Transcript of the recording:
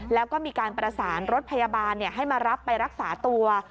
แล้วก็มีการประสานรถพยาบาลให้มารับไปรักษาตัว